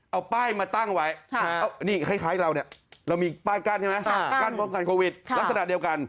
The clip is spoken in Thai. เอาป้ายมาตั้งไว้นี่คล้ายเราเนี่ยเรามีป้ายกั้นใช่ไหมกั้นป้องกันโควิดลักษณะเดียวกัน